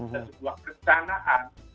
dan sebuah kesanaan